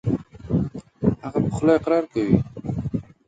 هغه په خوله اقرار کوي .